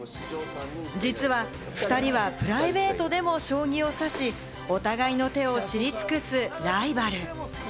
実は２人はプライベートでも将棋をさし、お互いの手を知り尽くすライバル。